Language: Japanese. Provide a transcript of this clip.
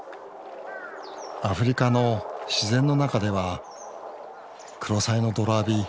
アフリカの自然の中ではクロサイの泥浴び